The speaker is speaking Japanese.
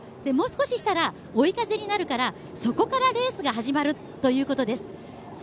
もう少したら追い風になるから、そこからレースが始まるということです。